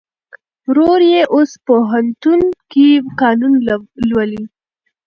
ورور یې اوس پوهنتون کې قانون لولي.